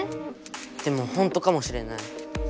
でもほんとかもしれない。